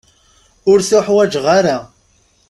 Ur tuḥwaǧeɣ ara.